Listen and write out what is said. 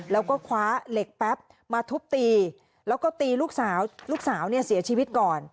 แล้วก็คว้าเหล็กแป๊บมาทุบตีแล้วก็ตีลูกสาวลูกสาวเนี่ยเสียชีวิตก่อน